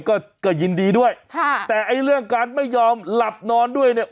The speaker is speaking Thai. ก็ก็ยินดีด้วยค่ะแต่ไอ้เรื่องการไม่ยอมหลับนอนด้วยเนี่ย